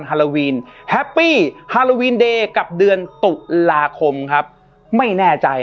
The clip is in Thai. ฮาโลวีนแฮปปี้ฮาโลวีนเดย์กับเดือนตุลาคมครับไม่แน่ใจ